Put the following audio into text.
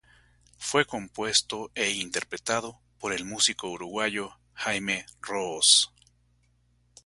Fue compuesto e interpretado por el músico uruguayo Jaime Roos.